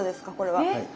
はい。